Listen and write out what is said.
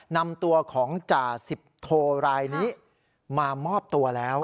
นำตัวของจ่าสิบโทรายนี้มามอบตัวแล้ว